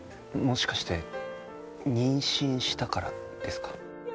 もしかして妊娠したからですか？